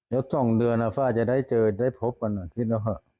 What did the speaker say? เดี๋ยว๒เดือนอ่ะป่าจะได้เจอจะได้พบกันอ่ะคิดแล้วห่ะ